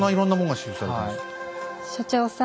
所長さん。